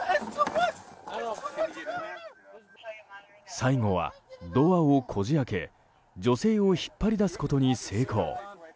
最後は、ドアをこじ開け女性を引っ張り出すことに成功。